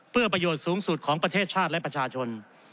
เพื่อประโยชน์สูงสุดของประเทศชาติและประชาชน